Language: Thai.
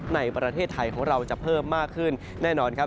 ในประเทศไทยของเราจะเพิ่มมากขึ้นแน่นอนครับ